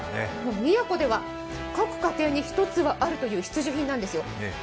宮古では各家庭に１つはあるという必需品なんですよ。